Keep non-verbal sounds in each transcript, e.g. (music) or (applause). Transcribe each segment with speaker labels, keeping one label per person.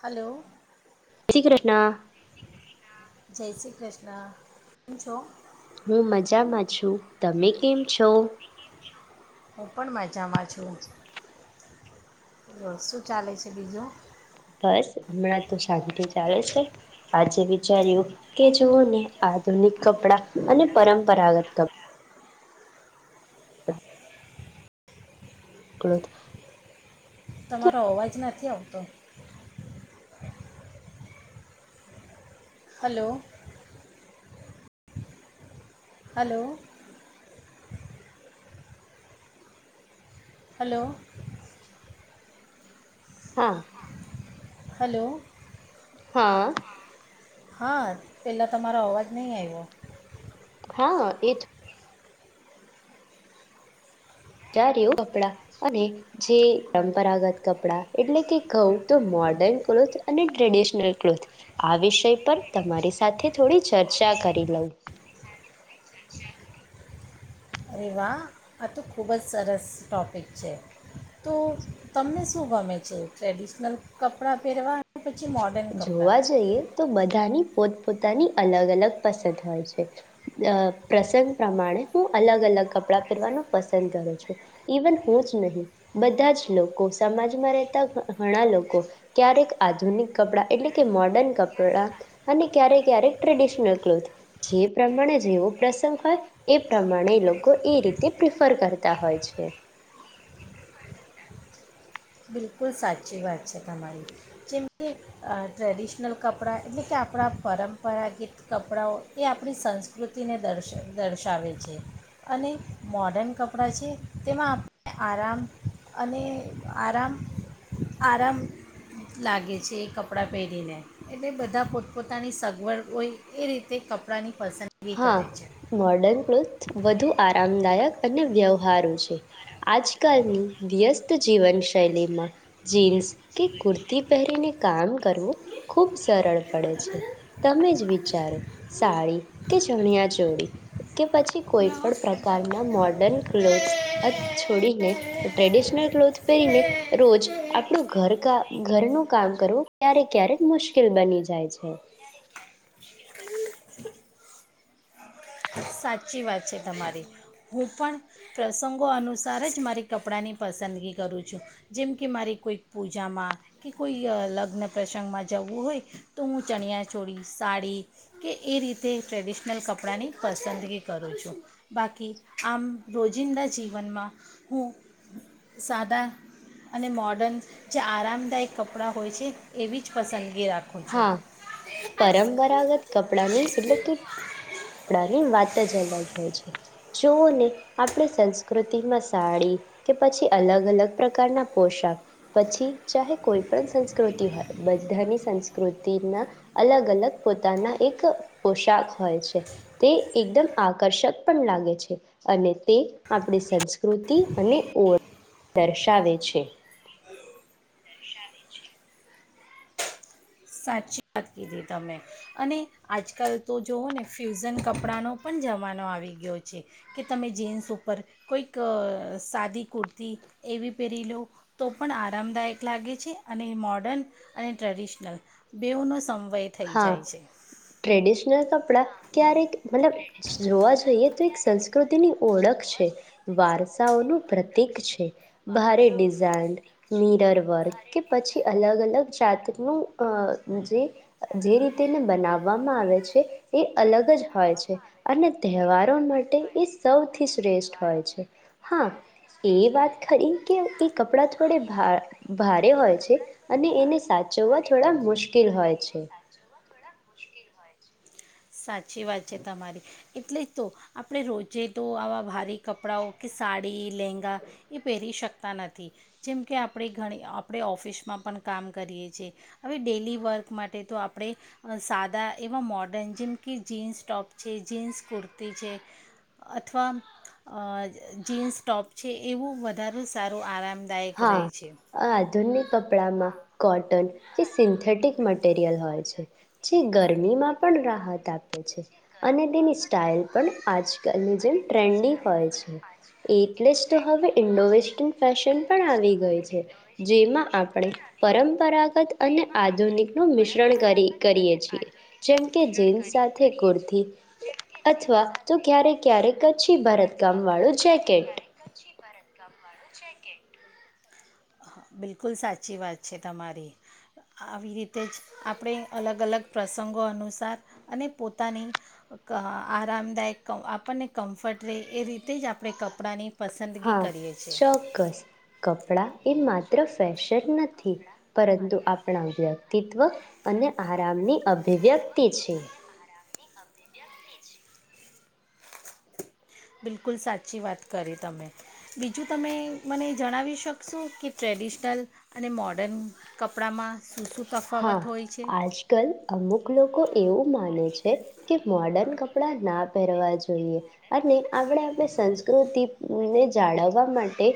Speaker 1: Hello
Speaker 2: જય શ્રી કૃષ્ણ.
Speaker 1: જય શ્રી કૃષ્ણ કેમ છો?
Speaker 2: હું મજામાં છું. તમે કેમ છો?
Speaker 1: હું પણ મજામાં છું બ શું ચાલે છે બીજું
Speaker 2: બસ હમણાં તો શાંતિ ચાલે છે. આજે વિચાર્યું કે જુવોઓ ને આધુનિક કપડાં અને પરંપરાગત કપડાં (unintelligible)
Speaker 1: તમારો અવાજ નથી આવતો. હલો હલો હલો
Speaker 2: હા.
Speaker 1: હલો.
Speaker 2: હાં.
Speaker 1: હા, પહેલાં તમારો અવાજ નઈ આઇવો.
Speaker 2: હા, એત (unintelligible) કપડા અને જે પરંપરાગત કપડાં એટલે કે કઉ તો મોર્ડર્ન ક્લોથ અને ટ્રેડિશનલ ક્લોથ, આ વિષય પર તમારી સાથે થોડી ચર્ચા કરી લઉં.
Speaker 1: અરે વાહ, આ તો ખૂબજ સરસ ટૉપિક છે. તો તમને શું ગમે છે, ટ્રેડિશનલ કપડાં પહેરવા પછી મોડર્ન કપડાં
Speaker 2: જોવા જઈએ તો બધાની પોત પોતાની અલગ- અલગ પસંદ હોય છે. પ્રસંગ પ્રમાણે હું અલગ- અલગ કપડાં પહેરવાનું પસંદ કરું છું, ઇવન હુંજ નહીં, બધાજ લોકો સમાજમાં રહેતા ઘણા લોકો ક્યારેક આધુનિક કપડાં એટલે કે મોર્ડર્ન કપડાં અને ક્યારેક ક્યારેક ટ્રેડિશનલ ક્લોથ જે પ્રમાણે જેવો પ્રસંગ હોય એ પ્રમાણે લોકો એ રીતે પ્રિફર કરતા હોય છે.
Speaker 1: બિલકુલ સાચી વાત છે તમારી, જેમ કે ટ્રેડિશનલ કપડાં એટલે કે આપડા પરંપરાગીત કપડાંઓ એ આપણી સંસ્કૃતિને દર્શ દર્શાવે છે અને મોડન કપડાં છે તેમાં આપડે આરામ અને આરામ આરામ લાગે છે એ કપડાં પહેરીને, એટલે બધા પોતપોતાની સગવડ હોય એ રીતે કપડાંની પસંદગી કરે
Speaker 2: હા,
Speaker 1: છે
Speaker 2: મોડન ક્લોથ વધુ આરામદાયક અને વ્યવહારુ છે. આજકાલની વ્યસ્ત જીવન શૈલીમાં જીન્સ કે કુર્તી પહેરીને કામ કરવું ખૂબ સરળ પડે છે, તમેજ વિચારો સાડી કે ચણિયા ચોળી કે પછી કોઈ પણ પ્રકારના મોર્ડર્ન કલૉથેસ અથ છોડીને ટ્રેડિશનલ ક્લોથ પહેરીને રોજ આપડુ ઘર કા ઘરનું કામ કરવું ક્યારે ક્યારેક મુશ્કેલ બની જાય છે.
Speaker 1: સાચી વાત છે તમારી, હું પણ પ્રસંગો અનુસાર જ મારી કપડાંની પસંદગી કરું છું, જેમ કે મારી કોઈક પૂજામાં કે કોઈ લગ્ન પ્રસંગમાં જવું હોય, તો હું ચણિયા ચોળી, સાડી કે એ રીતે ટ્રેડિશનલ કપડાંની પસંદગી કરું છું, બાકી આમ રોજિંદા જીવનમાં હું સાદા અને મોડન જે આરામદાયક કપડાં હોય છે, એવીજ પસંદગી રાખું છું
Speaker 2: હા, પરંપરાગત કપડાની એટલેકે કપડાની વાતજ અલગ હોય છે. જોઓને આપડી સંસ્કૃતિમાં સાડી કે પછી અલગ-અલગ પ્રકારના પોશાક, પછી ચાહે કોઈ પણ સંસ્કૃતિ હોય, બધાની સંસ્કૃતિના અલગ-અલગ પોતાના એક પોશાક હોય છે. તે એકદમ આકર્ષક પણ લાગે છે અને તે આપડી સંસ્કૃતિ અને ઓળ દર્શાવે છે.
Speaker 1: સાચી વાત કીધી તમે અને આજકાલ તો જુઓ ને ફ્યુઝન કપડાંનો પણ જમાનો આવી ગયો છ, કે તમે જીન્સ ઉપર કોઈક સાદી કુર્તી એવી પહેરી લો, તો પણ આરામદાયક લાગે છે અને મોડન અને ટ્રેડિશનલ બેવ ન સંભ
Speaker 2: હા, ટ્રેડિશનલ કપ ડા. ક્યારેક, મતલબ જોવા જઈએ તો એક સંસ્ ની ઓળખ છે, વારસાઓનું પ્રતિક છે. ભારે ડિઝાઇન મિરર વર્ગ કે પછી અલગ-અલગ જાતનું અહ જે જે રીતેને બનાવવામાં આવે છે, એ અલગ જ હોય છે અને તહેવારો માટે એ સૌથી શ્રેષ્ઠ હોય છે. હા, એ વાત ખરી કે એ કપડાં થોડે ભારે હોય છે અને એને સાચવવા થોડા મુશ્કેલ હોય છે.
Speaker 1: સાચ સાચી વાત છે, તમારી. એટલેજ તો આપણે રોજે તો આવાં ભારે કપડાંઓ કે સાડી, લહેંગા, એ પહેરી શકતા નથી, જેમ કે આપડે ઘણી આપડે ઓફિસમાં પણ કામ કરીએ છે. હવે ડેલી વર્ક માટે તો આપડે સાદા એવા મોડન જેમ કે જીન્સ ટોપ છે, જીન્સ કુર્તી છે, અથવા જીન્સ ટોપ છે એવું વધારુ સારું આરામ દાય
Speaker 2: ધુનિ કપડામાં કોટન એ સિન્થેટિક મટીરિયલ હોય છે જે ગરમીમાં પણ રાહત આપે છે. અને તેની સ્ટાઇલ પણ આજ નિ જેેમ ટ્રેનડી હોય છે એટલે જ તો હવે ઇન્ડો વેસ્ટર્ન ફેશન પણ
Speaker 1: ડ્રેસ તો
Speaker 2: આવી ગઈ
Speaker 1: હવે
Speaker 2: છે
Speaker 1: ઈન્ડો વેસ્ટન
Speaker 2: જેમાં
Speaker 1: ફેશન
Speaker 2: આપણે
Speaker 1: પણ આવી ગયો છે
Speaker 2: પરંપરાગત અને
Speaker 1: જેમાં આપણે
Speaker 2: આધુનિકનું મિશ્રણ કરી
Speaker 1: પરંપરાગત
Speaker 2: કરીએ
Speaker 1: અને
Speaker 2: છીએ
Speaker 1: આધુનિકનું
Speaker 2: જેમ કે
Speaker 1: મિશ્રણ
Speaker 2: જીન્સ
Speaker 1: કરી
Speaker 2: સાથે
Speaker 1: કરીએ છીએ
Speaker 2: કુર્તી
Speaker 1: જેમકે સાથે જીન્સ સાથે કુર્તી
Speaker 2: ભારત કામવાળું જૅકેટ
Speaker 1: ભારત કામવાળું જેકેટ બિલકુલ સાચી વાત છે તમારી આવી રીતે જ આપણે અલગ અલગ પ્રસંગો અનુસાર અને પોતાની આરામદાયક આપણને કમ્ફર્ટ એ રીતે જ આપણે કપડાંની. પસંદગી
Speaker 2: હા
Speaker 1: કરીએ છીએ
Speaker 2: ચોક્કસ કપ. ડા એ માત્ર ફેશન નથી પરંતુ આપણા વ્યક્તિત્વ અને આરામની અભિવ્યક્તિ છે.
Speaker 1: બિલકુલ સાચી વાત કરી તમે બીજું તમે મને જણાવી શકશો કે ટ્રેડિશનલ અને મોર્ડન કપડામાં શું શું
Speaker 2: હા
Speaker 1: તફાવત હોય છે
Speaker 2: આજ કલ અમુક. લોકો એવું. માને છે કે મોડર્ન કપ પડા ના પહેરવા જોઈએ અને આપણે આપણે સંસ્કૃતિને જાળવવા માટે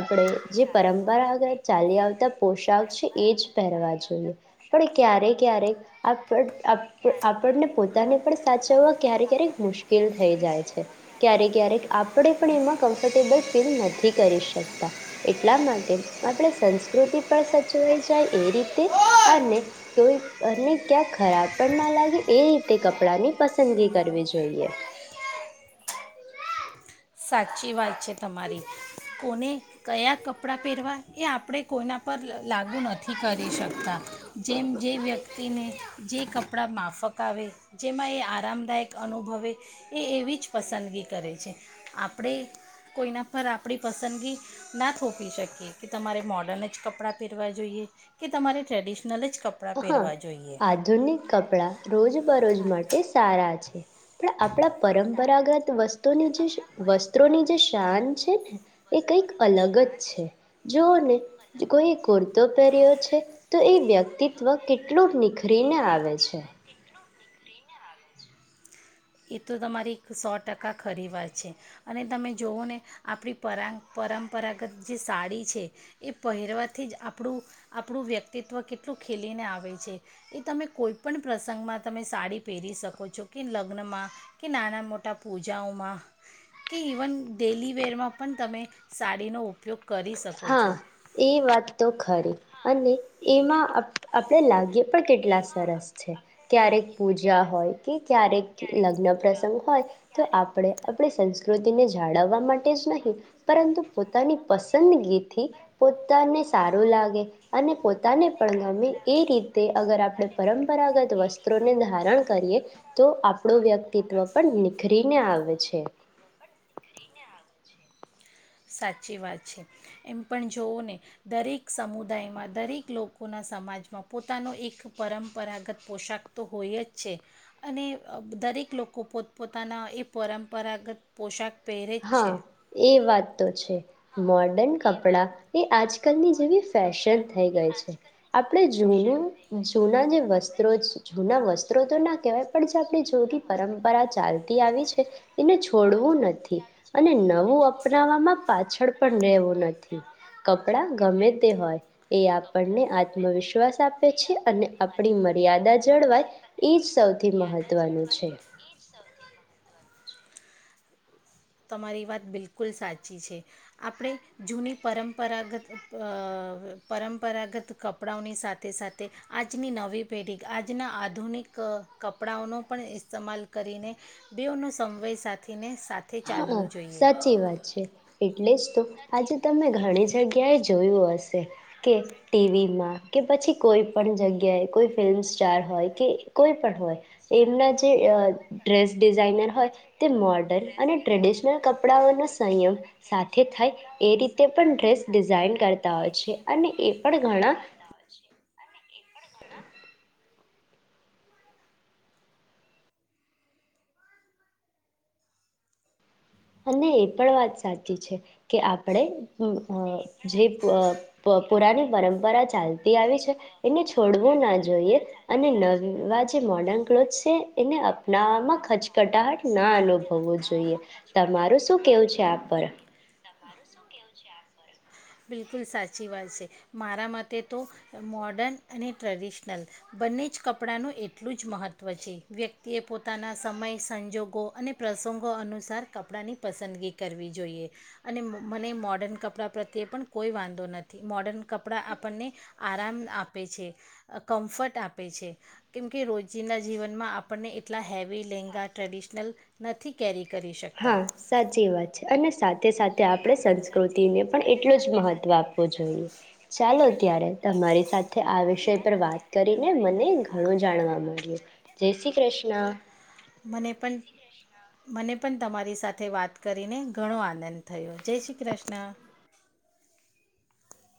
Speaker 2: આપણે જે પરંપરાગત ચાલી આવતા પોશાક છે એ જ પહેરવા જોઈએ. પણ ક્યારેક ક્યારેક આપ આપ આપણને પોતાને પણ સાચવવા ક્યારેક ક્યારેક મુશ્કેલ થઈ જાય છે. ક્યારેક ક્યારેક આપણે પણ એમાં કમ્ફર્ટેબલ ફીલ નથી કરી શકતા. તા એટલા માટે આપણે સંસ્કૃતિ પણ સચવાઈ જાય એ રીતે અને તોય અને ક્યાં ખરાબ પણ ના લાગે એ રીતે કપડા ની પસંદગી કરવી જોઈએ
Speaker 1: સાચી વાત છે તમારી કોને કયા કપડાં પહેરવા એ આપણે કોઈના પર લાગુ નથી કરી શકતા જેમ જે વ્યક્તિને જે કપડાં માફક આવે જેમાં એ આરામદાયક અનુભવે એ એવી જ પસંદગી કરે છે આપણે કોઈના પર આપણી પસંદગી ના થોપી શકીએ કે તમારે મોર્ડર્ન જ કપડાં પહેરવાં જોઈએ કે તમારે ટ્રેડિશનલ જ કપડાં
Speaker 2: હા
Speaker 1: પહેરવા જોઈએ
Speaker 2: આધુનિક કપડા રોજ બરોજ માટે સારા છે (inaudible) પણ આપણા પરમ રાગત વસ્ત્રુની જે વસ્ત્રોની જે શાન છે ને એ કંઈક અલગ જ છે. જોને કોઈ કુર્તો પહેર્યો છે તો એ વ્યક્તિ વ કેટલું નિખરીને આવે છે.
Speaker 1: નિખારીને આવે છે એ તો તમારી સો ટકા ખરી વાર છે. અને તમે જોવોને આપણી પરા પરંપરાગત જે સાડી છે એ પહેરવાથી જ આપણું આપણું વ્યક્તિત્વ કેટલું ખીલીને આવ આવે છે. એ તમે કોઈપણ પ્રસંગમાં તમે સાડી પહેરી શકો છો કે લગ્નમાં કે નાના મોટા પૂજાઓમાં કે ઇવન ડેલીવેરમાં પણ તમે સાડીનો ઉપયોગ કરી શકો
Speaker 2: હા
Speaker 1: છો
Speaker 2: એ વાત તો ખરી અને એમાં આપ આપણેે લાગી પણ કેટલા સરસ છે ક્યારેક પૂજા હોય કે ક્યારેક લગ્ન પ્રસંગ હોય તો આપણે આપણી સંસ્કૃતિને જાળવવા માટે જ નહીં પરંતુ પોતાની પસંદગી પોતાને સારું લાગે અને પોતાને પણ ગમે એ રીતે અગર આપણે પરંપરાગત વસ્ત્રોને ધારણ કરીએ તો આપણું વ્યક્તિત્વ પણ નિખરીને આવે છે.
Speaker 1: ને આવે છે. સાચી વાત છે એમ પણ જોવો ને દરેક સમુદાયમાં, દરેક લોકોના સમાજમાં પોતાનો એક પરંપરાગત પોશાક તો હોય જ છે અને દરેક લોકો પોતપોતાના એ પરંપરાગત પોશાક પહેરે જ
Speaker 2: હા
Speaker 1: છે
Speaker 2: એ વાત તો છે. મોર્ડન કપડા એ આજ કલની જેવી ફેશન થઈ ગઈ છે આપણે જૂનું જૂના જે વસ્ત્રો જૂના વસ્ત્રો તો ના કહેવાય પણ જે આપણી જૂની પરંપરા ચાલતી આવી છે એને છોડવું નથી. અને નવું અપનાવવામાં પાછળ પણ રહેેવું નથી. કપડાં ગમે તે હોય એ આપણને આત્મવિશ્વાસ આપે છે અને આપણી મર્યાદા જળવાય એ જ સૌથી મહત્વનું છે.
Speaker 1: તમારી વાત બિલકુલ સાચી છે. આપણે જૂની પરંપરાગત અ પરંપરાગત કપડાંઓની સાથે સાથે આજની નવી પેઢી આજના આધુનિક અ કપડાંઓનો પણ ઇસ્તેમાલ કરીને બેવ નો સમવય સાથીને સા
Speaker 2: હા સાચી વાત છે. એટલે જ તો આજે તમે ઘણી જગ્યા ક્યાંય જોયું હોય કે ટીવીમાં, કે પછી કોઈ પણ જગ્યાએ કોઈ ફિલ્મ સ્ટાર હોય કે કોઈ પણ હોય એમના જે અ ડ્રેસ ડિઝાઇનર હોય તે મોર્ડન ટ્રેડિશનલ કપડાઓનો સંયમ સાથે થાય એ રીતે પણ ડ્રેસ ડિઝાઇન કરતા હોય છે અને એ પણ ઘણા
Speaker 1: (inaudible)
Speaker 2: અને એ પણ વાત સાચી છે કે આપણેે અ અ જે પ પ પુરાની પરંપરા ચાલતી એ આવી છે એને છોડવું ના જોઈએ અને નવા જે મોર્ડન ક્લોથસ છે એને અપનાવામાં ખચકટાહટ ના અનુભવવું જોઈએ. તમારું શું કેવું છે આ પર?
Speaker 1: બિલકુલ સાચી વાત છે. મારા માટે તો મોર્ડન અને ટ્રેડિશનલ બંને જ કપડાંનું એટલું જ મહત્ત્વ છે. વ્યક્તિએ પોતાના સમય સંજોગો અને પ્રસંગો અનુસાર કપડાંની પસંદગી કરવી જોઈએ અને મ મને મોડન કપડાં પ્રત્યે પણ કોઈ વાંધો નથી. મોડર્ન કપડાં આપણને આરામ આપે છે કમ્ફર્ટ આપે છે કેમ કે રોજિંદા ના જીવનમાં આપણને એટલા હેવી લેંગા ટ્રેડિશનલ નથી કેરી કરી શકતા
Speaker 2: હા સાચી વાત છે અને સાથે સાથે આપણે સંસ્કૃતિને પણ એટલું જ મહત્વ આપવું જોઈએ. ચાલો ત્યારે તમારી સાથે આ વિષય પર વાત કરીને મને ઘણું જાણવા મળ્યું જય શ્રી કૃષ્ણ.
Speaker 1: મને પણ મને પણ તમારી સાથે વાત કરીને ઘણો આનંદ થયો. જય શ્રી કૃષ્ણ.